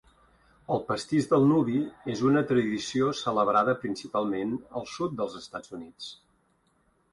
El pastís del nuvi és una tradició celebrada principalment al sud dels Estats Units.